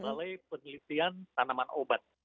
melalui penelitian tanaman obat